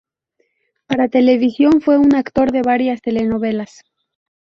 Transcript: Para televisión fue un actor de varias telenovelas.